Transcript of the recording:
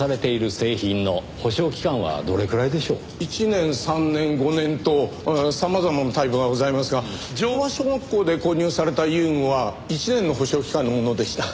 １年３年５年と様々なタイプがございますが条和小学校で購入された遊具は１年の保証期間のものでした。